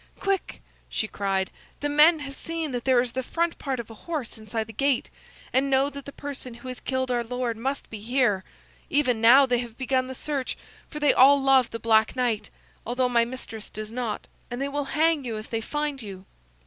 "Quick!" she cried. "The men have seen that there is the front part of a horse inside the gate, and know that the person who has killed our lord must be here. Even now they have begun the search, for they all love the Black Knight, although my mistress does not, and they will hang you if they find you."